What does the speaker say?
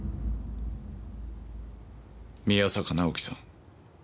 宮坂直樹さん